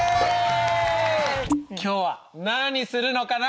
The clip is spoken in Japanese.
今日は何するのかな？